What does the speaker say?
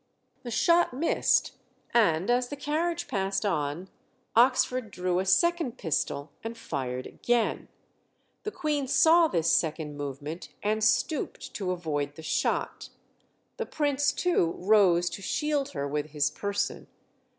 The shot missed, and as the carriage passed on, Oxford drew a second pistol and fired again. The Queen saw this second movement, and stooped to avoid the shot; the Prince too rose to shield her with his person.